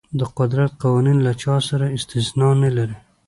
د قدرت قوانین له چا سره استثنا نه لري.